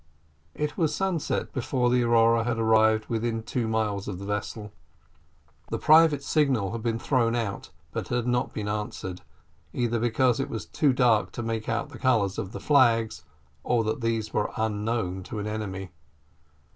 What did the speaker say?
It was sunset before the Aurora had arrived within two miles of the vessel; the private signal had been thrown out, but had not been answered, either because it was too dark to make out the colours of the flags, or that these were unknown to an enemy.